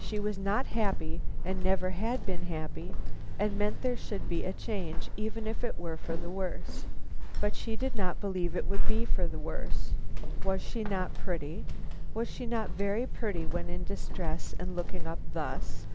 She was not happy, had never been happy, and meant there should be a change, even if it were for the worse. But she did not believe it would be for the worse. Was she not pretty? Was she not very pretty when in distress and looking up thus?